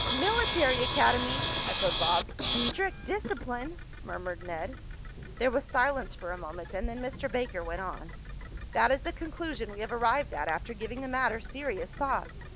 "Military academy!" echoed Bob. "Strict discipline!" murmured Ned. There was silence for a moment, and then Mr. Baker went on: "That is the conclusion we have arrived at after giving the matter serious thought.